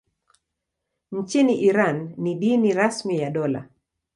Nchini Iran ni dini rasmi ya dola.